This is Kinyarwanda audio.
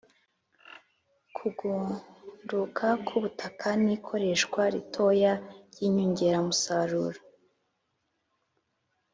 kugunduka kw'ubutaka n'ikoreshwa ritoya ry'inyongeramusaruro